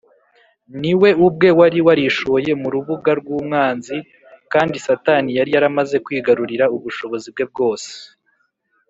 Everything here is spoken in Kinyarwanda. ni we ubwe wari warishoye mu rubuga rw’umwanzi kandi satani yari yaramaze kwigarurira ubushobozi bwe bwose